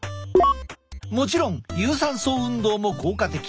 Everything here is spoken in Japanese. もちろん有酸素運動も効果的。